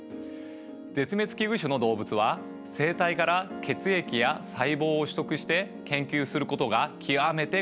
絶滅危惧種の動物は生体から血液や細胞を取得して研究することが極めて困難です。